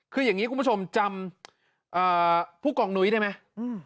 คืออย่างนี้คุณผู้ชมจำผู้กองนุ้ยได้ไหม